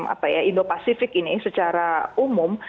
apa ya indo pasifik ini secara umum